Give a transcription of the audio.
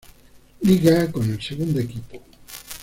Liga con el segundo equipo.